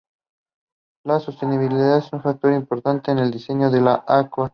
La sostenibilidad es un factor importante en el diseño de Aqua.